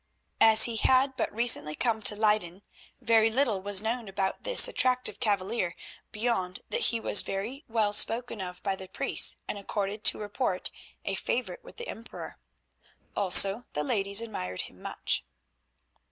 As he had but recently come to Leyden, very little was known about this attractive cavalier beyond that he was well spoken of by the priests and, according to report, a favourite with the Emperor. Also the ladies admired him much.